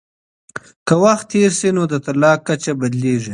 که وخت تېر سي نو د طلاق کچه بدلیږي.